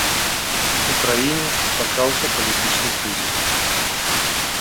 У краіне пачаўся палітычны крызіс.